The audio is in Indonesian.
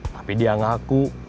tapi dia mengaku